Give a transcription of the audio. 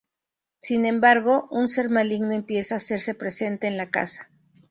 Sin embargo, un ser maligno empieza a hacerse presente en la casa.